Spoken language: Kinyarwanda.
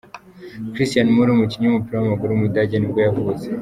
Christian Müller, umukinnyi w’umupira w’amaguru w’umudage nibwo yavutse.